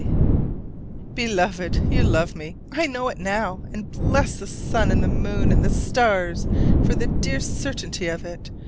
K. Beloved: You love me! I know it now, and bless the sun and the moon and the stars for the dear certainty of it.